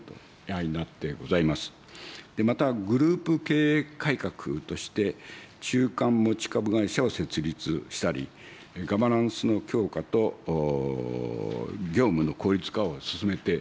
また、グループ経営改革として、中間持株会社を設立したり、ガバナンスの強化と業務の効率化を進めてございます。